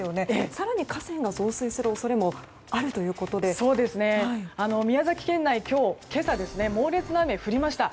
更に河川が増水する恐れも宮崎県内、今日猛烈な雨が降りました。